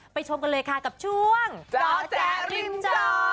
ไปชมกันเลยค่ะกับช่วงจ๊ะเขะริมจ๊อ